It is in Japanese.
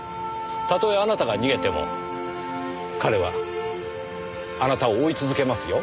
たとえあなたが逃げても彼はあなたを追い続けますよ。